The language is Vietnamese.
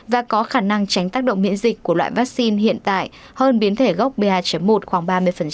và có khả năng tránh tác động miễn dịch của loại vaccine hiện tại hơn biến thể gốc ba một khoảng ba mươi